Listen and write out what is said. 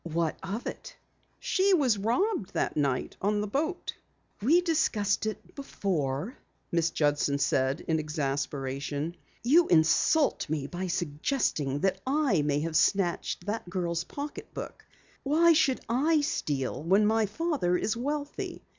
"What of it?" "She was robbed that night on the boat." "We discussed it before," Miss Judson said in exasperation. "You insult me by suggesting that I may have snatched the girl's pocketbook! Why should I steal when my father is wealthy?